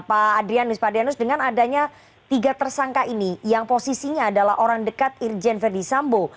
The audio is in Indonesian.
pak adrianus pak deanus dengan adanya tiga tersangka ini yang posisinya adalah orang dekat irjen verdi sambo